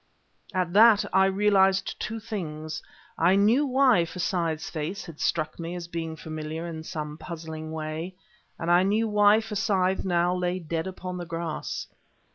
At that I realized two things: I knew why Forsyth's face had struck me as being familiar in some puzzling way, and I knew why Forsyth now lay dead upon the grass.